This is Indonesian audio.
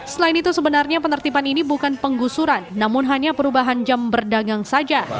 selain itu sebenarnya penertiban ini bukan penggusuran namun hanya perubahan jam berdagang saja